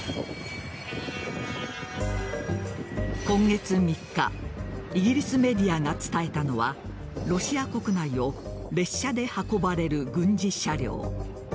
今月３日イギリスメディアが伝えたのはロシア国内を列車で運ばれる軍事車両。